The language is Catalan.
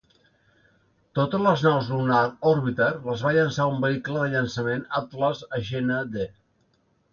Totes les naus "Lunar Orbiter" les va llançar un vehicle de llançament "Atlas-Agena D".